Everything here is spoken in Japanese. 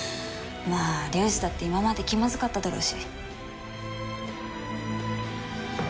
まあ龍二だって今まで気まずかっただろうし。